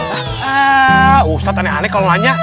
ah ustadz aneh aneh kalau nanya